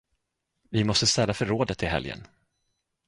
Vi måste städa förrådet i helgen.